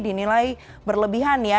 dinilai berlebihan ya